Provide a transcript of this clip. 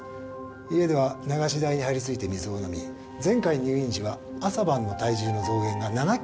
家では流し台に張り付いて水を飲み前回入院時は朝晩の体重の増減が７キロあったそうです。